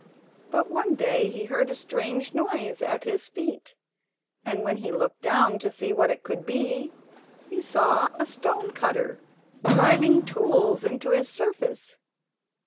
But one day he heard a strange noise at his feet, and when he looked down to see what it could be, he saw a stone cutter driving tools into his surface.